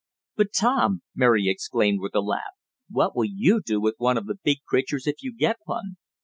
"But, Tom," Mary exclaimed with a laugh, "what will you do with one of the big creatures if you get one?"